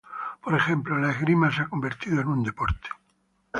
Por ejemplo, la esgrima se ha convertido en un deporte.